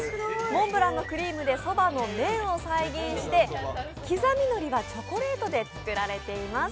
モンブランのクリームでそばの麺を再現して刻みのりはチョコレートで作られています。